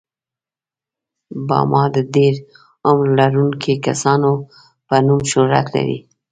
باما د ډېر عمر لرونکو کسانو په نوم شهرت لري.